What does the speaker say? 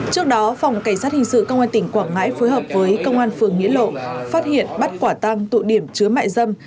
trước đó phòng cảnh sát hình sự công an tỉnh quảng ngãi phối hợp với công an phường nghĩa lộ phát hiện bắt quả tăng tụ điểm chứa mại dâm